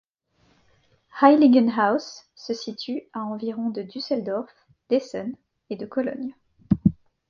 Heiligenhaus se situe à environ de Düsseldorf, d'Essen et de Cologne.